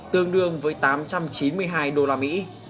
tương đương với tám triệu đồng